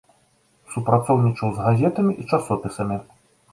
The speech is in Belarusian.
Супрацоўнічаў з газетамі і часопісамі.